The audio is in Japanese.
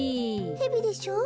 ヘビでしょ？